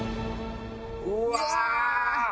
うわ！